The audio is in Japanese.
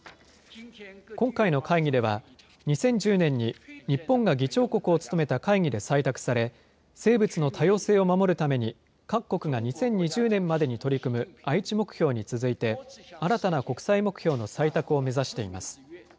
今回の会議では、２０１０年に日本が議長国を務めた会議で採択され、生物の多様性を守るために各国が２０２０年までに取り組む愛知目標に続いて、新たな国際目標の採択を目指しています。